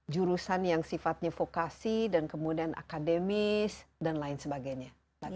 jurusan yang sifatnya vokasi dan kemudian akademis dan lain sebagainya